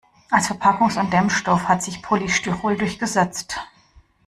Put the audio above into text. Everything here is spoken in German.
Als Verpackungs- und Dämmstoff hat sich Polystyrol durchgesetzt.